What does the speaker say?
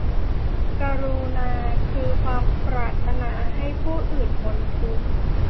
กรุณาคือความปรารถนาให้ผู้อื่นพ้นทุกข์